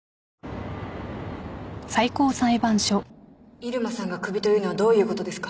入間さんがクビというのはどういうことですか。